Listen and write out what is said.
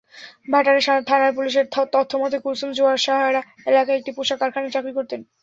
ভাটারা থানার পুলিশের তথ্যমতে, কুলসুম জোয়ারসাহারা এলাকায় একটি পোশাক কারখানায় চাকরি করতেন।